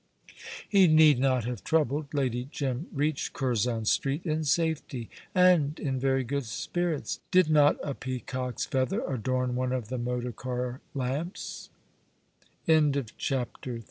He need not have troubled. Lady Jim reached Curzon Street in safety, and in very good spirits. Did not a peacock's feather adorn one of the motor car lamps? CHAPTER IV Firmingham was the smallest of